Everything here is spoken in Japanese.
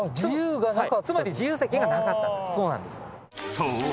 ［そう。